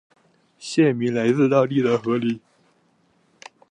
县名来自当地的河狸。